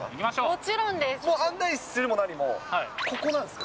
もちろんです！